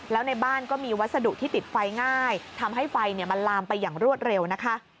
แล้วในบ้านก็มีวัสดุที่ติดไฟง่ายทำให้ไฟมันลามไปอย่างรวดเร็วนะคะ